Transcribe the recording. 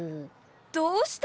どうしたの？